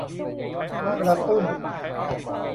กระตุ้น